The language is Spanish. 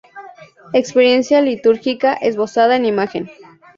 Experiencia litúrgica esbozada en imagen.